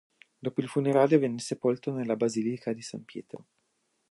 Dopo il funerale venne sepolto nella Basilica di San Pietro.